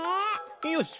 よし。